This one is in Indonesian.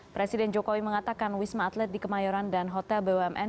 presiden jokowi mengatakan wisma atlet di kemayoran dan hotel bumn